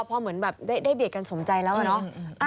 พอเหมือนแบบได้เบียดกันสมใจแล้วอะเนาะ